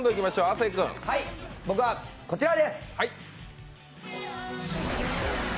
僕はこちらです。